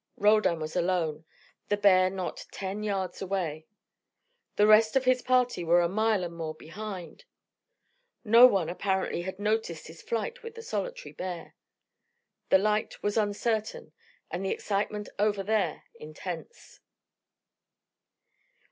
Roldan was alone, the bear not ten yards away. The rest of his party were a mile and more behind. No one apparently had noticed his flight with the solitary bear. The light was uncertain and the excitement over there intense.